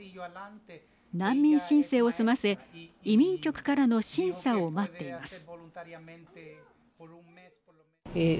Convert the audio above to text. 難民申請を済ませ移民局からの審査を待っています。